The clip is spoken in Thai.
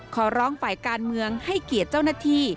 ขอร้องฝ่ายการเมืองให้เกียรติเจ้าหน้าที่